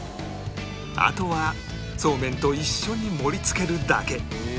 あとはそうめんと一緒に盛り付けるだけ